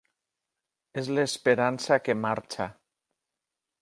És l’esperança que marxa.